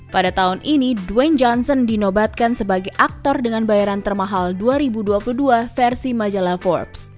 pada tahun ini dwin johnson dinobatkan sebagai aktor dengan bayaran termahal dua ribu dua puluh dua versi majalah forbes